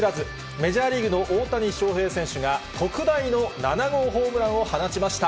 メジャーリーグの大谷翔平選手が、特大の７号ホームランを放ちました。